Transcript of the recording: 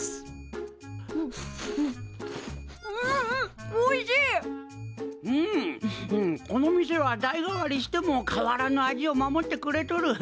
うんうんこの店は代がわりしても変わらぬ味を守ってくれとる。